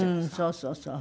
そうそうそう。